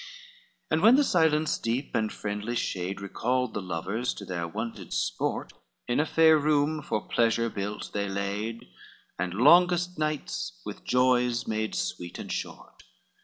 XXVII And when the silence deep and friendly shade Recalled the lovers to their wonted sport, In a fair room for pleasure built, they laid, And longest nights with joys made sweet and short.